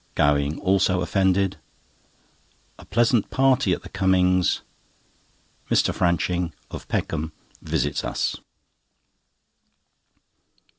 Gowing also offended. A pleasant party at the Cummings'. Mr. Franching, of Peckham, visits us.